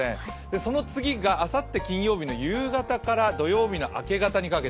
その次があさって金曜日の夕方から土曜日の明け方にかけて。